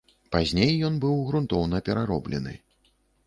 Пазней ён быў грунтоўна перароблены.